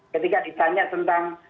ketika ditanya tentang